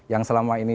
yang selama ini